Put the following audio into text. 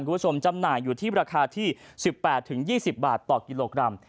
จำหน่ายอยู่ที่ราคาที่๑๘๒๐บาทต่อกิโลกรัม